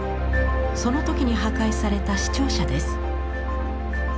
その時に破壊された市庁舎です。